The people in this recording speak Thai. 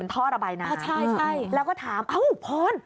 ใช่แล้วก็ถามอ้าวพร